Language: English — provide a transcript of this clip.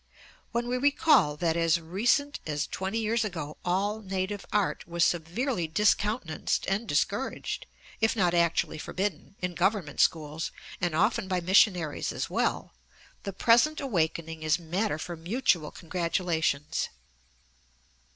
When we recall that as recent as twenty years ago all native art was severely discountenanced and discouraged, if not actually forbidden, in Government schools, and often by missionaries as well, the present awakening is matter for mutual congratulations.